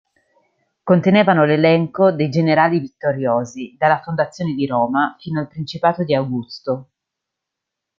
Contenevano l'elenco dei generali vittoriosi dalla fondazione di Roma fino al principato di Augusto.